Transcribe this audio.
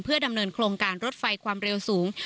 ดำเนินโครงการรถไฟความเร็วสูง